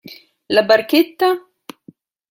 La barchetta?